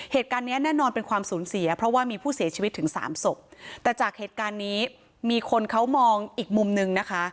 เหตุการณ์เนี้ยแน่นอนเป็นความสูญเสียเพราะว่ามีผู้เสียชีวิตถึงสามศพแต่จากเหตุการณ์นี้มีคนเขามองอีกมุมนึงนะคะ